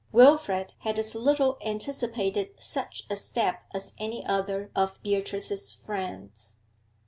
Wilfrid had as little anticipated such a step as any other of Beatrice's friends.